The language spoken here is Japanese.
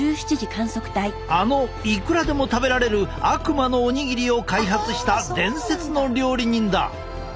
あのいくらでも食べられる悪魔のおにぎりを開発した伝説の料理人だ！